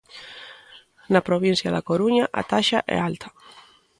Na provincia da Coruña a taxa é alta.